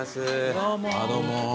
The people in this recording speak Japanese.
どうも。